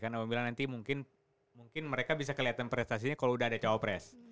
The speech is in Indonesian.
karena abang bilang nanti mungkin mereka bisa kelihatan prestasinya kalau udah ada cawapres